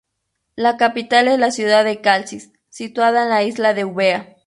La capital es la ciudad de Calcis, situada en la isla de Eubea.